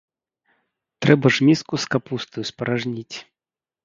Трэба ж міску з капустаю спаражніць.